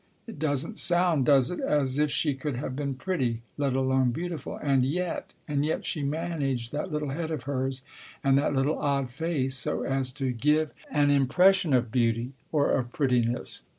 It doesn't sound does it ? as if she could have been pretty, let alone beautiful ; and yet and yet she managed that little head of hers and that little odd face so as to give an 12 Tasker Jevons impression of beauty or of prettiness.